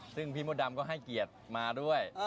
ซึ่งพี่มดดำก็ให้เกียรติมาด้วย